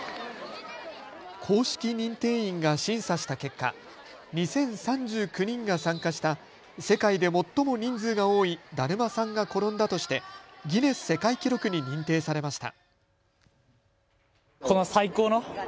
公式認定員が審査した結果、２０３９人が参加した世界で最も人数が多いだるまさんが転んだとしてギネス世界記録に認定されました。